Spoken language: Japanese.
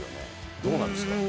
どうなんですか。